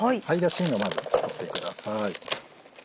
芯をまず取ってください。